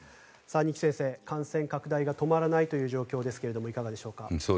二木先生感染拡大が止まらないという状況ですがいかがでしょうか。